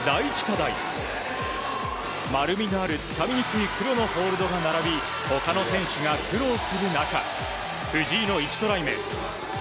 題丸みのあるつかみにくい黒のホールドが並び他の選手が苦労する中藤井の１トライ目。